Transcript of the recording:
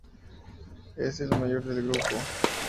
Es el mayor del grupo.